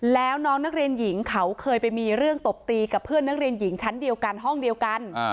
แล้วน้องนักเรียนหญิงเขาเคยไปมีเรื่องตบตีกับเพื่อนนักเรียนหญิงชั้นเดียวกันห้องเดียวกัน